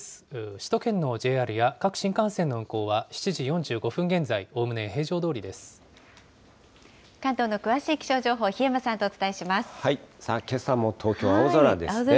首都圏のＪＲや各新幹線の運行は、７時４５分現在、おおむね平常ど関東の詳しい気象情報、檜山けさも東京、青空ですよね。